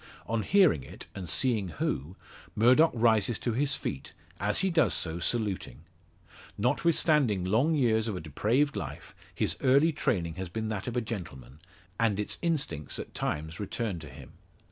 On hearing it, and seeing who, Murdock rises to his feet, as he does so saluting. Notwithstanding long years of a depraved life, his early training has been that of a gentleman, and its instincts at times return to him.